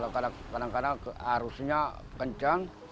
kadang kadang arusnya kencang